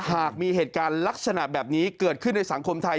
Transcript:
หากมีเหตุการณ์ลักษณะแบบนี้เกิดขึ้นในสังคมไทย